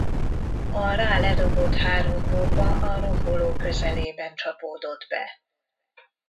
A rá ledobott három bomba a romboló közelében csapódott be.